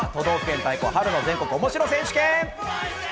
都道府県対抗、春の全国おもしろ選手権！